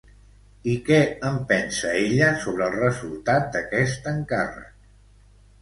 I què en pensa ella sobre el resultat d'aquest encàrrec?